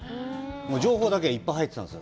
情報だけはいっぱい入ってたんですよ。